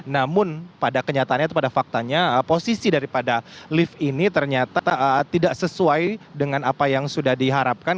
namun pada kenyataannya atau pada faktanya posisi daripada lift ini ternyata tidak sesuai dengan apa yang sudah diharapkan